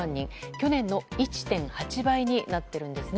去年の１．８倍になっているんですね。